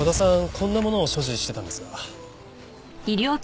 こんな物を所持していたんですが。